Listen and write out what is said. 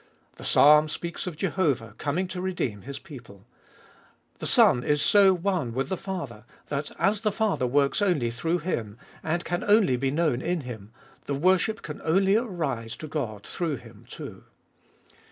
The Psalm speaks of Jehovah coming to redeem His people : the Son is so one with the Father, that as the Father works only through Him, and can only be known in Him, the worship can only arise to God through Him too.